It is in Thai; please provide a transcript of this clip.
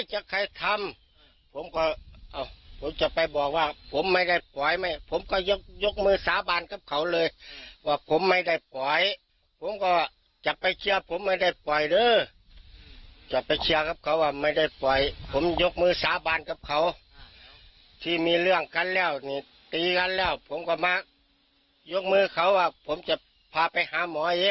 หากหากจับไปเชียร์กับเขาไม่ได้ปล่อยผมยกมือสาบานกับเขาที่มีเรื่องเรื่องในการตี